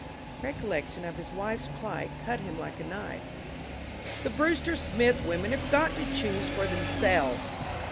Recollection of his wife's plight cut him like a knife. "The Brewster Smith women have got to choose for themselves!"